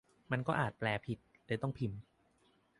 มันก็อาจแปลผิด เลยต้องพิมพ์